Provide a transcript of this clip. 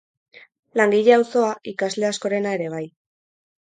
Langile auzoa, ikasle askorena ere bai.